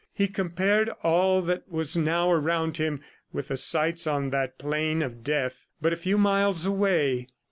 He compared all that was now around him with the sights on that plain of death but a few miles away.